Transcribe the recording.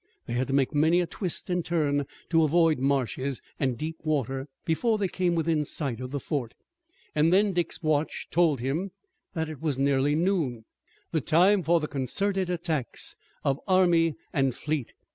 They had to make many a twist and turn to avoid marshes and deep water before they came within the sight of the fort, and then Dick's watch told him that it was nearly noon, the time for the concerted attacks of army and fleet.